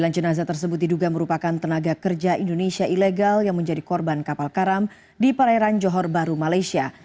sembilan jenazah tersebut diduga merupakan tenaga kerja indonesia ilegal yang menjadi korban kapal karam di perairan johor baru malaysia